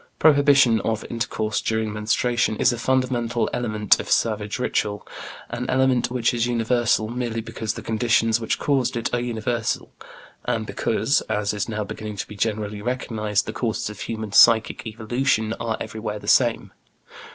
Prohibition of intercourse during menstruation is a fundamental element of savage ritual, an element which is universal merely because the conditions which caused it are universal, and because as is now beginning to be generally recognized the causes of human psychic evolution are everywhere the same.